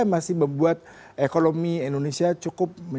kita bisa lihat juga or exclude produk kita di hotel di sobre